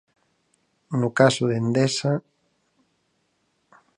No caso de Endesa...